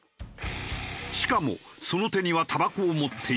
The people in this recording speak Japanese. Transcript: しかもその手にはタバコを持っている。